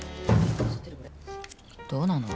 「どうなの？